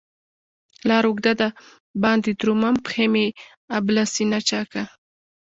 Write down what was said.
لار اوږده ده باندې درومم، پښي مې ابله سینه چاکه